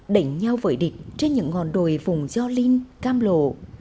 đẩy nhau với địch trên những ngọn đồi vùng gio linh cam lộ